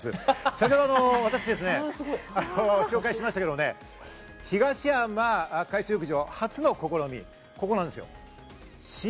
先程、私、紹介しましたけどね、東浜海水浴場初の試み、ここなんですよ。